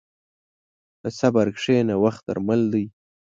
په صبر کښېنه، وخت درمل دی.